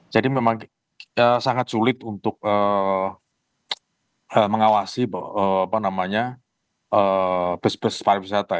jadi memang sangat sulit untuk mengawasi bis bis pariwisata